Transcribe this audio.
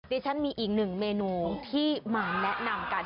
ดิฉันมีอีกหนึ่งเมนูที่มาแนะนำกัน